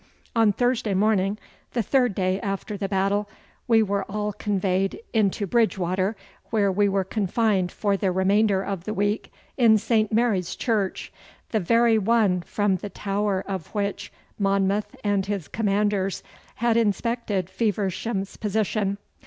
On Thursday morning, the third day after the battle, we were all conveyed into Bridgewater, where we were confined for the remainder of the week in St. Mary's Church, the very one from the tower of which Monmouth and his commanders had inspected Feversham's position.